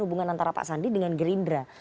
hubungan antara pak sandi dengan gerindra